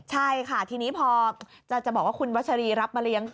ใช่ค่ะทีนี้พอจะบอกว่าคุณวัชรีรับมาเลี้ยง